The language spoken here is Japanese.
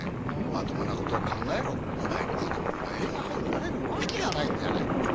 「まともなことを考えろお前みたいな者が映画俳優になれるわけがないじゃない。